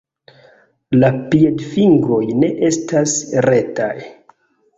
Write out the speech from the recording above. La piedfingroj ne estas retaj.